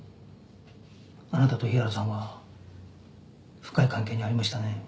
あなたと日原さんは深い関係にありましたね？